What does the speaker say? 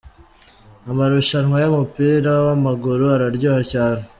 Amarushanwa y'umupira w'amaguru araryoha cyane.